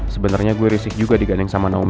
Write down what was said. sebenernya gue rizky juga diganding sama naomi